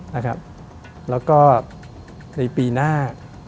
และในปีหน้า